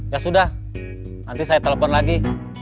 ya sudah nanti saya telepon lagi